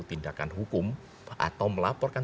tindakan hukum atau melaporkan